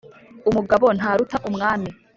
umugabo ntaruta umwami